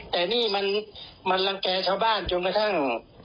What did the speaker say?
แต่นี่มันรังแก่ชาวบ้านจนกระทั่ง